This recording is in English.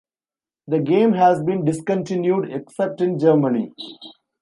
The game has been discontinued except in Germany.